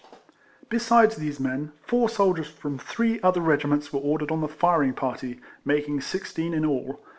Besides these men, four soldiers from three other regiments were ordered on the firing party, making sixteen in all.